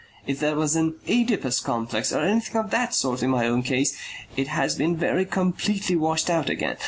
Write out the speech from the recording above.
If there was an Oedipus complex or anything of that sort in my case it has been very completely washed out again.